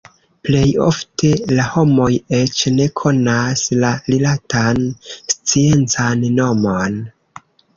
Plej ofte la homoj eĉ ne konas la rilatan sciencan nomon.